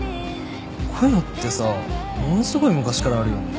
こういうのってさものすごい昔からあるよね。